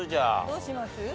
どうします？